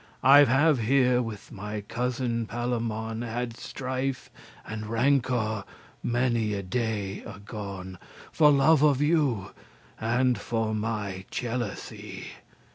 I have here with my cousin Palamon Had strife and rancour many a day agone, For love of you, and for my jealousy.